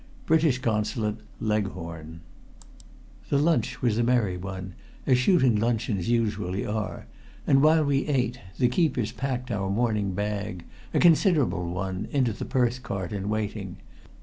British Consulate, Leghorn"_ The lunch was a merry one, as shooting luncheons usually are, and while we ate the keepers packed our morning bag a considerable one into the Perth cart in waiting.